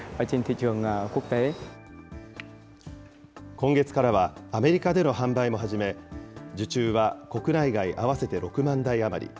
今月からはアメリカでの販売も始め、受注は国内外合わせて６万台余り。